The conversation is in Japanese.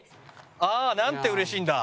ああなんて嬉しいんだ！